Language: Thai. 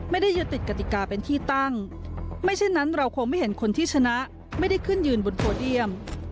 ไม่ได้ยึดติดกติกาเป็นที่ตั้งไม่เช่นนั้นเราคงไม่เห็นคนที่ชนะไม่ได้ขึ้นยืนบนโพเดียม